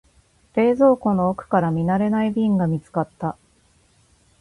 冷蔵庫の奥から見慣れない瓶が見つかった。